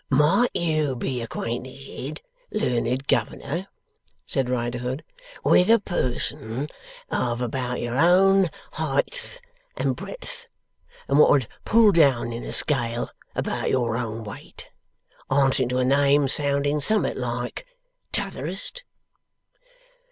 'Might you be acquainted, learned governor,' said Riderhood, 'with a person of about your own heighth and breadth, and wot 'ud pull down in a scale about your own weight, answering to a name sounding summat like Totherest?